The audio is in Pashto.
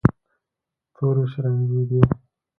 تورې شرنګېدې.